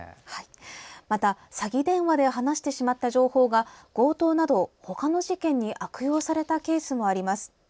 また、詐欺電話で話してしまった情報が強盗など、他の事件に悪用されたケースもあります。